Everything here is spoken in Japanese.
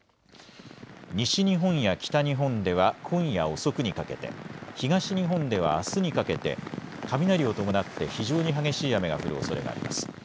西日本や北日本では今夜遅くにかけて、東日本ではあすにかけて雷を伴って非常に激しい雨が降るおそれがあります。